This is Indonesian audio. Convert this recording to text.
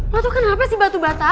lo tuh kenapa si batu bata